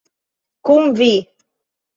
Kun vi.